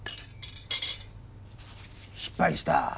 失敗した？